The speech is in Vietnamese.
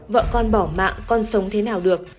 vợ con bỏ mạng con sống thế nào được